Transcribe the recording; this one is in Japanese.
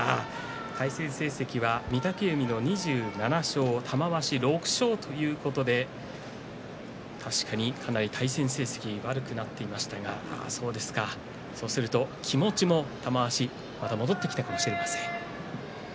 対戦成績は御嶽海の２７勝玉鷲の６勝ということで確かにかなり対戦成績悪くなっていましたがそうすると気持ちも玉鷲また戻ってきているかもしれません。